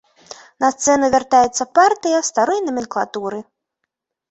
На сцэну вяртаецца партыя старой наменклатуры.